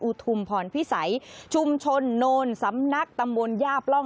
ทุมพรพิสัยชุมชนโนนสำนักตำบลย่าปล่อง